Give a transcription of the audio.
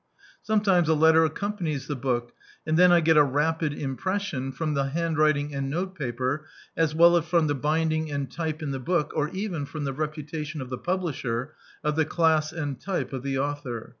Sometimes a letter accompanies the book; and then I get a rapid impression, from the handwriting and notepaper as well as from the bind ing and type in the book, or even from the reputation of the publisher, of the class and type of the author.